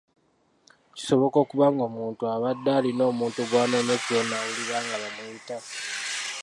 Kisoboka okuba ng’omuntu abadde alina omuntu gw’anoonya ekiro n’awulira nga bamuyita.